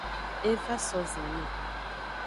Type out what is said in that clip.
E va so zanme.